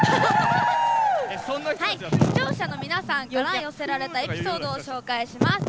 視聴者の皆さんから寄せられたエピソードを紹介します。